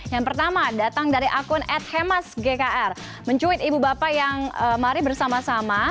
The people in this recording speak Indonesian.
yang pertama datang dari akun at hemas gkr mencuit ibu bapak yang mari bersama sama